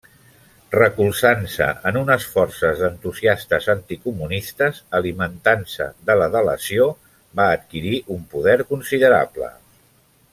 Recolzant-se en unes forces d'entusiastes anticomunistes, alimentant-se de la delació, va adquirir un poder considerable.